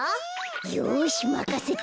よしまかせて。